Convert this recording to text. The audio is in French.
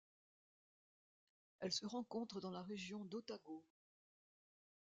Elle se rencontre dans la région d'Otago.